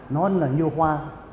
nó là nhiều hoa